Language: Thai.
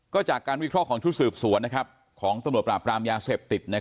ก็จากการวิเคราะห์ของชุดสืบสวนของตำรวจปราบรามยาเสพติด